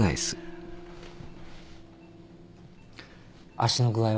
足の具合は？